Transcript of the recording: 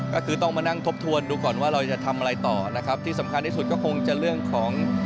ก็คือต้องมานั่งทบทวนดูก่อนว่าเราจะทำอะไรต่อนะครับที่สำคัญที่สุดก็คงจะเรื่องของ